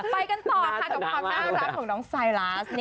ไปกันต่อค่ะกับความน่ารักของน้องไซลาส